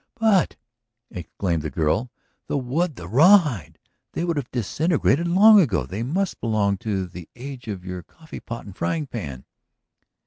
"But," exclaimed the girl, "the wood, the raw hide ... they would have disintegrated long ago. They must belong to the age of your coffee pot and frying pan!"